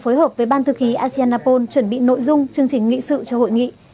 phối hợp với ban thư ký asean apol chuẩn bị nội dung chương trình nghị sự cho hội nghị